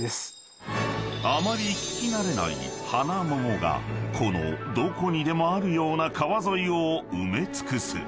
［あまり聞き慣れない花桃がこのどこにでもあるような川沿いを埋め尽くす］